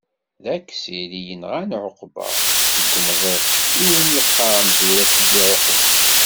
D Aksil i yenɣan Ɛuqba deg umḍiq iwmi qqaren tura Sidi-Ɛuqba.